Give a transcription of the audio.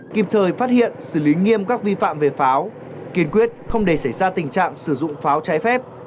kịp thời phát hiện xử lý nghiêm các vi phạm về pháo kiên quyết không để xảy ra tình trạng sử dụng pháo trái phép